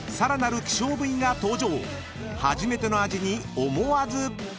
［初めての味に思わず］